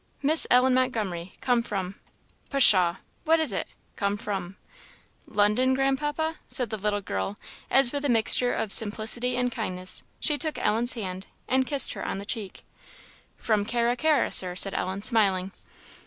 Miss Ellen Montgomery, come from pshaw! what is it? come from " "London, Grandpapa?" said the little girl, as with a mixture of simplicity and kindness she took Ellen's hand, and kissed her on the cheek. "From Carra carra, Sir," said Ellen, smiling.